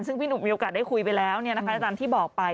ซึ่งพี่หนุ่มมีโอกาสได้คุยไปแล้วตามที่บอกไป